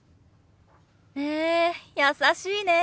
へえ優しいね。